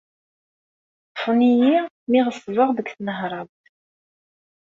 Ṭṭfen-iyi mi ɣeṣbeɣ deg tnehrawt.